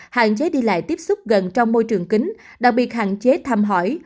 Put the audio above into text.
hạn chế đi lại tiếp xúc gần trong môi trường kính đặc biệt hạn chế thăm hỏi